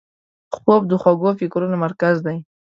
خوب د خوږو فکرونو مرکز دی